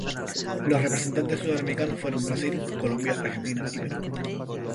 Los representantes sudamericanos fueron Brasil, Colombia, Argentina y Perú.